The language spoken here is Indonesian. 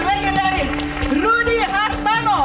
legendaris rudy hartano